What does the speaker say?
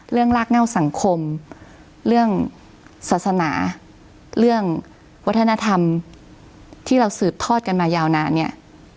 ลากเง่าสังคมเรื่องศาสนาเรื่องวัฒนธรรมที่เราสืบทอดกันมายาวนานเนี่ย